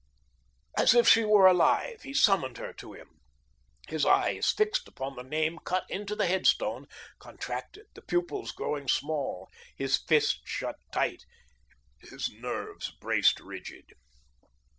As if she were alive, he summoned her to him. His eyes, fixed upon the name cut into the headstone, contracted, the pupils growing small, his fists shut tight, his nerves braced rigid.